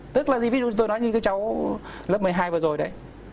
tức là gì ví dụ tôi nói như cái cháu lớp một mươi hai vừa rồi đấy